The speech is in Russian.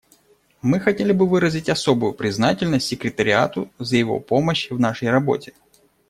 Мы хотели бы выразить особую признательность Секретариату за его помощь в нашей работе.